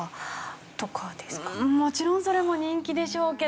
もちろんそれも人気でしょうけど。